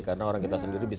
karena orang kita sendiri bisa